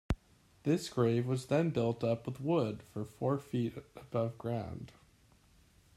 This grave was then built up with wood for four feet above ground.